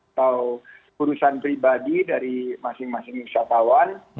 atau urusan pribadi dari masing masing wisatawan